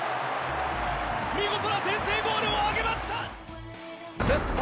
見事な先制ゴールを挙げました！